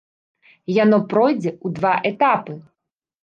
Яно пройдзе ў два этапы.